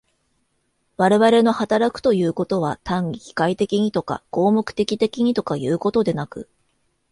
我々の働くということは、単に機械的にとか合目的的にとかいうことでなく、